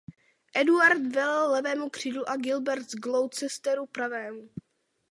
Eduard velel levému křídlu a Gilbert z Gloucesteru pravému.